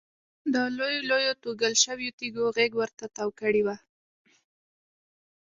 لویو لویو توږل شویو تیږو غېږ ورته تاو کړې وه.